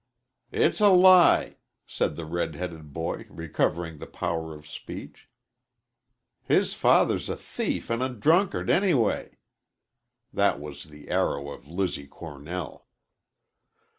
"It's a lie," said the red headed boy, recovering the power of speech. "His father's a thief an' a drunkard, anyway." That was the arrow of Lizzie Cornell.